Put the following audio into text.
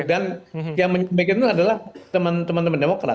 dan yang memikirkan itu adalah teman teman demokrat